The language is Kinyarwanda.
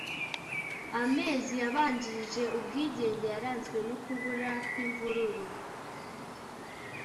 amezi yabanjirije ubwigenge yaranzwe no kubura kw imvururu